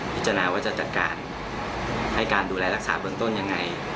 พิจารณาว่าจะจัดการให้การดูแลรักษาเบื้องต้นยังไง